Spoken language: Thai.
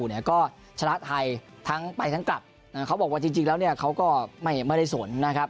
เนี่ยก็ชนะไทยทั้งไปทั้งกลับเขาบอกว่าจริงแล้วเนี่ยเขาก็ไม่ได้สนนะครับ